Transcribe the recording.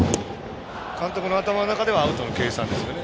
監督の頭の中ではアウトの計算ですよね。